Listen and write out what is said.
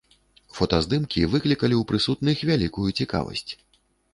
Фотаздымкі выклікалі ў прысутных вялікую цікавасць.